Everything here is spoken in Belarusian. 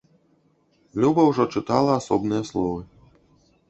Люба ўжо чытала асобныя словы.